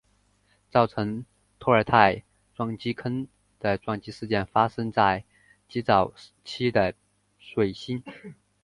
造成托尔斯泰撞击坑的撞击事件发生在极早期的水星。